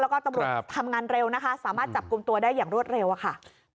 แล้วก็ตำรวจทำงานเร็วนะคะสามารถจับกลุ่มตัวได้อย่างรวดเร็วอะค่ะ